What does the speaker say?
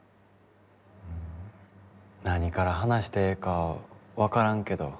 何から話してええか分からんけど。